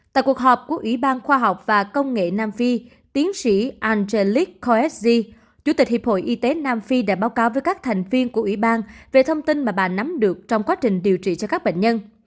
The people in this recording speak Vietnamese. tại cuộc họp của ủy ban khoa học và công nghệ nam phi tiến sĩ andre lit khoesg chủ tịch hiệp hội y tế nam phi đã báo cáo với các thành viên của ủy ban về thông tin mà bà nắm được trong quá trình điều trị cho các bệnh nhân